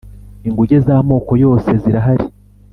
inguge z'amoko yose zirahari